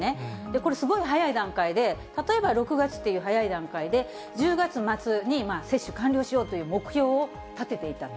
これ、すごい早い段階で、例えば６月っていう早い段階で、１０月末に接種完了しようという目標を立てていたと。